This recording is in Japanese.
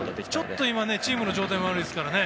ちょっと今チームの状態が悪いですからね